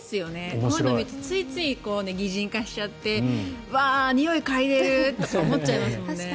こういうのを見るとついつい擬人化しちゃってにおい嗅いでる！とか思っちゃいますもんね。